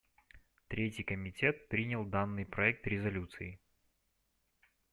Третий комитет принял данный проект резолюции.